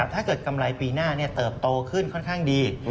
กำไรปีหน้าเติบโตขึ้นค่อนข้างดี